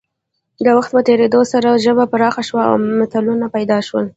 د وخت په تېرېدو سره ژبه پراخه شوه او متلونه پیدا شول